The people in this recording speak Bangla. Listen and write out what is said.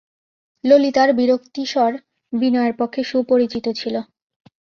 ললিতার বিরক্তিস্বর বিনয়ের পক্ষে সুপরিচিত ছিল।